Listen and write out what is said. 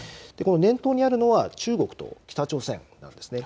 念頭にあるのは中国と北朝鮮なんですね。